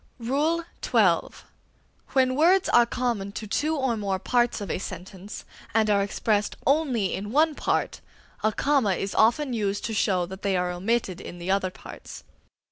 XII. When words are common to two or more parts of a sentence, and are expressed only in one part, a comma is often used to show that they are omitted in the other parts.